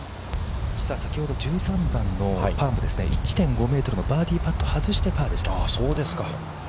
◆実は先ほど、１３番のパーですね、１．５メートルのバーディーパットを外してパーでした。